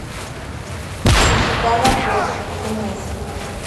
Y citada por "Ms.